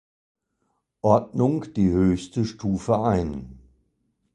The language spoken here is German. Ordnung die höchste Stufe ein.